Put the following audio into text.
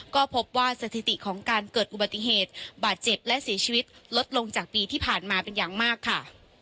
ก็พบว่าสถิติของการเกิดอุบัติเหตุบาดเจ็บและเสียชีวิตลดลงจากปีที่ผ่านมาเป็นอย่างมากค่ะ